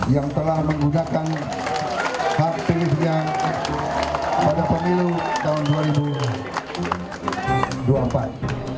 yang telah menggunakan hak pilihnya pada pemilu tahun dua ribu dua puluh empat